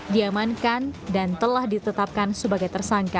diamankan dan telah ditetapkan sebagai tersangka